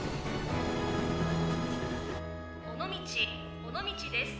「尾道尾道です。